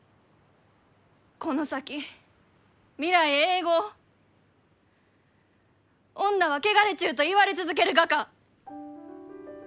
この先未来永劫「女は汚れちゅう」と言われ続けるがか？